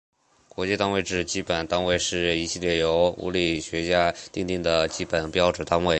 国际单位制基本单位是一系列由物理学家订定的基本标准单位。